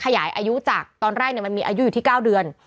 ขยายอายุจากตอนแรกมันมีอายุอยู่ที่๙เดือน